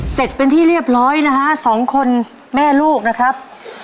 เสร็จเป็นที่เรียบร้อยนะฮะสองคนแม่ลูกนะครับ